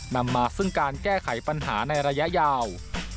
นำมาซึ่งการแก้ไขปัญหาในระยะยาว